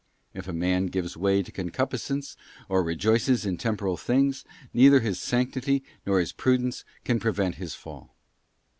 If a man gives way to concupiscence, or rejoices in temporal things, neither his sanctity nor his prudence can prevent his fall.